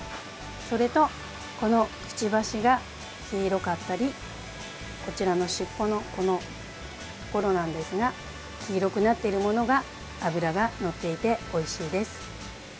それと、このくちばしが黄色かったりこちらの尻尾のこのところなんですが黄色くなっているものが脂がのっていておいしいです。